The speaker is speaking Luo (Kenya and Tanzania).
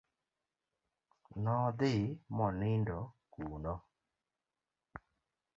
No dhi monindo kuno.